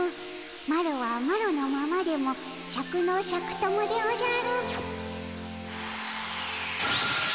マロはマロのままでもシャクのシャク友でおじゃる。